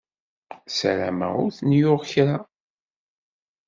Ssarameɣ ur ten-yuɣ kra.